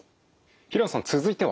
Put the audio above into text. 平野さん続いては？